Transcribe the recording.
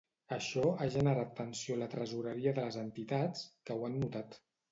Això ha generat tensió a la tresoreria de les entitats, que ho han notat.